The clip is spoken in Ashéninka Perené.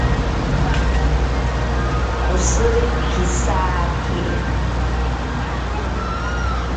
Koshiri kisakiri.